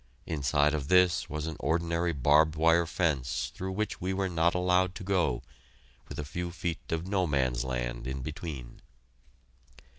Inside of this was an ordinary barbed wire fence through which we were not allowed to go, with a few feet of "No Man's Land" in between.